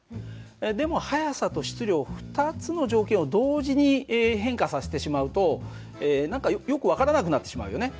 でも速さと質量２つの条件を同時に変化させてしまうとえ何かよく分からなくなってしまうよね。